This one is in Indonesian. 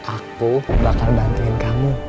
aku bakal bantuin kamu